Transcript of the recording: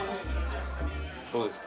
どうですか？